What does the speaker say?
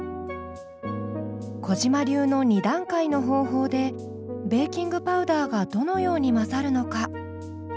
小嶋流の２段階の方法でベーキングパウダーがどのように混ざるのか。